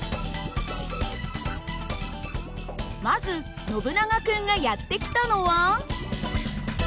まずノブナガ君がやって来たのは。